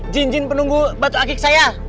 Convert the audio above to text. jin jin penunggu batu akik saya